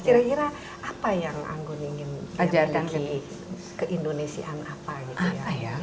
kira kira apa yang anggun ingin dia bagi ke indonesiaan apa gitu ya